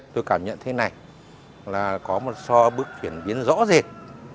tôi cảm nhận thế này là có một số bước chuyển biến rõ rệt